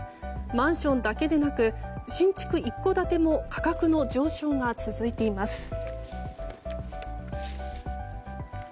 マンションだけでなく新築一戸建ても価格の上昇が続いています。